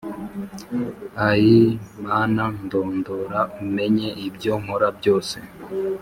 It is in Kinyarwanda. Ai Mana Ndondora umenye Ibyo Nkora Byose